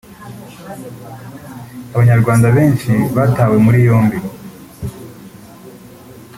Abanyarwanda benshi batawe muri yombi